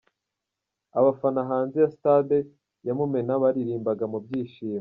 Abafana hanze ya Stade ya Mumena baririmbaga mu byishimo.